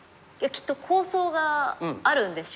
きっと構想があるんでしょうね。